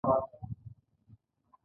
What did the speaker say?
نن هوا یخه ده